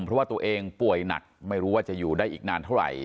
เพราะว่าตัวเองป่วยหนักไม่รู้ว่าจะอยู่ได้อีกนานเท่าไหร่